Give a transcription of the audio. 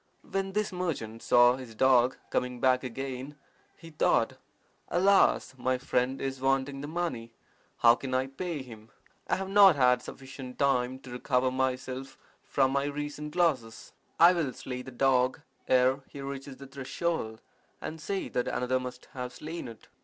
When this merchant saw his dog coming back again, he thought, 'Alas! my friend is wanting the money. How can I pay him? I have not had sufficient time to recover myself from my recent losses. I will slay the dog ere he reaches the threshold, and say that another must have slain it.